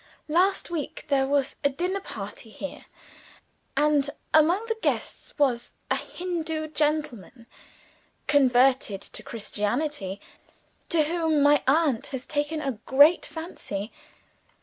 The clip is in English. Last week, there was a dinner party here; and, among the guests, was a Hindoo gentleman (converted to Christianity) to whom my aunt has taken a great fancy.